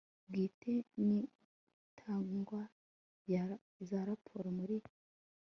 bwite n itangwa rya za raporo muri